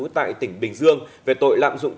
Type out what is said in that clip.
tại tỉnh bình dương về tội lạm dụng